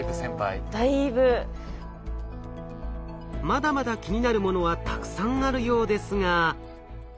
まだまだ気になるものはたくさんあるようですが。